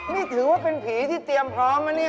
นี่ถือว่าเป็นผีที่เตรียมพร้อมไหมเนี่ย